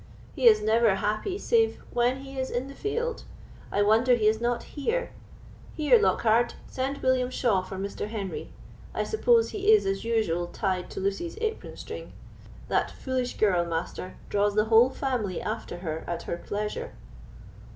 He is never happy save when he is in the field. I wonder he is not here. Here, Lockhard; send William Shaw for Mr. Henry. I suppose he is, as usual, tied to Lucy's apron string; that foolish girl, Master, draws the whole family after her at her pleasure."